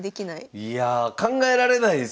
いや考えられないですよね